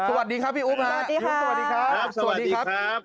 สวัสดีครับพี่อุ๊บครับสวัสดีครับสวัสดีครับสวัสดีครับ